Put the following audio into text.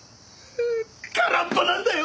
空っぽなんだよ！